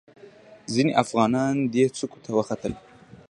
ځینې افغانان دې څوکې ته وختل.